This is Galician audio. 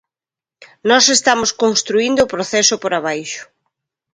Nós estamos construíndo o proceso por abaixo.